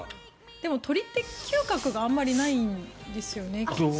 でも鳥って嗅覚があまりないんですよね。